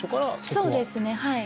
そうですねはい。